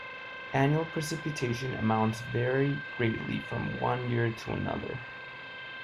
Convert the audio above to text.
Annual precipitation amounts vary greatly from one year to another.